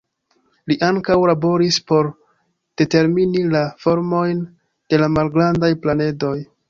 Li ankaŭ laboris por determini la formojn de la malgrandaj planedoj.